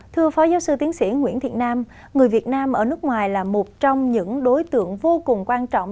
thưa phó giáo sư tiến sĩ nguyễn thiện nam người việt nam ở nước ngoài là một trong những đối tượng vô cùng quan trọng